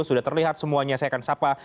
sudah terlihat semuanya saya akan sapa